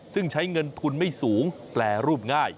ซึ่งใช้เงินทุนไม่สูงแปรรูปง่าย